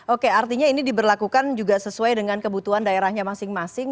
oke artinya ini diberlakukan juga sesuai dengan kebutuhan daerahnya masing masing